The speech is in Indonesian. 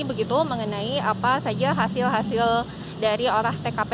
begitu mengenai apa saja hasil hasil dari olah tkp